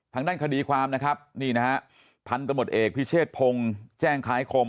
ทางด้านคดีความนะครับนี่นะฮะพันธมตเอกพิเชษพงศ์แจ้งคล้ายคม